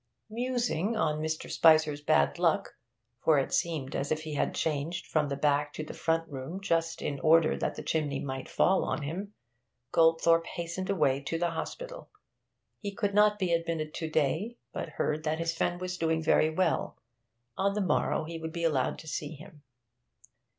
Musing on Mr. Spicer's bad luck for it seemed as if he had changed from the back to the front room just in order that the chimney might fall on him Goldthorpe hastened away to the hospital. He could not be admitted to day, but heard that his friend was doing very well; on the morrow he would be allowed to see him.